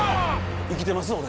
生きてますよ。